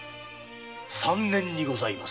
三年にございます。